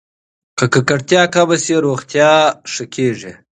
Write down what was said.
که ککړتیا کمه شي، روغتیا ښه کېږي.